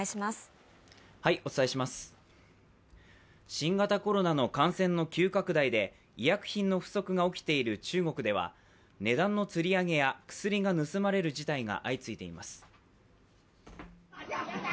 新型コロナの感染の急拡大で医薬品の不足が起きている中国では値段のつり上げや薬が盗まれる事態が相次いでいます。